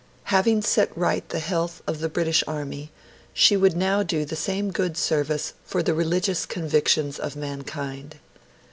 Having set right the health of the British Army, she would now do the same good service for the religious convictions of mankind.